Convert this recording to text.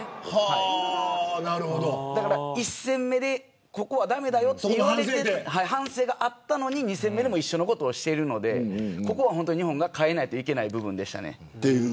だから１戦目でここは駄目だよという反省があったのに２戦目でも一緒のことをしているのでここは本当に日本が変えないといけない部分でした。